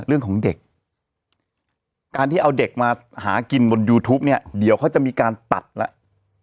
เรื่องของเด็กการที่เอาเด็กมาหากินบนยูทูปเนี่ยเดี๋ยวเขาจะมีการตัดแล้ว